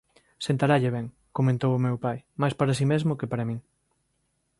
Sentaralle ben −comentou o meu pai, máis para si mesmo que para min−.